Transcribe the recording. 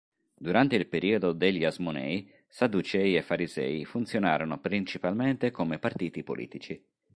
Durante il periodo degli Asmonei, sadducei e farisei funzionarono principalmente come partiti politici.